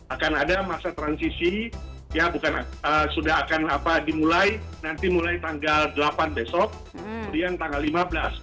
akan ada masa transisi ya bukan sudah akan dimulai nanti mulai tanggal delapan besok kemudian tanggal lima belas